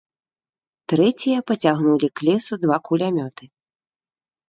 Трэція пацягнулі к лесу два кулямёты.